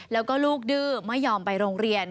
แล้วก็ลูกดื้อไม่ยอมไปโรงเรียน